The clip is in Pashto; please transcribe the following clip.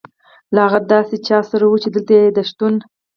له داسې چا سره وه، چې دلته یې د شتون.